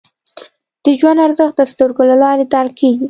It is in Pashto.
د ژوند ارزښت د سترګو له لارې درک کېږي